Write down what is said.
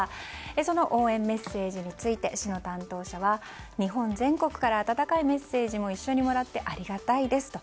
その応援メッセージについて市の担当者は日本全国から温かいメッセージも一緒にもらってありがたいですと。